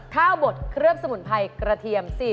บดเคลือบสมุนไพรกระเทียม